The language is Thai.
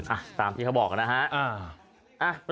อ่ะตามที่เขาบอกนะฮะ